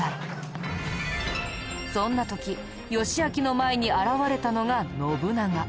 そんな時義昭の前に現れたのが信長。